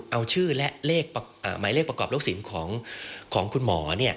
เอาชื่อและหมายเลขประกอบลูกศิลป์ของคุณหมอ